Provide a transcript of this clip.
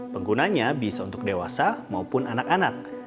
penggunanya bisa untuk dewasa maupun anak anak